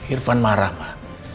irfan marah pak